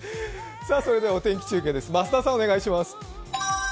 それではお天気中継、増田さん。